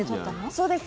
そうです。